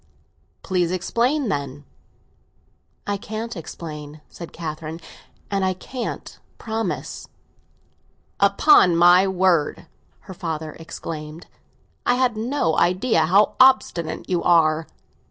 "Please explain, then." "I can't explain," said Catherine. "And I can't promise." "Upon my word," her father explained, "I had no idea how obstinate you are!"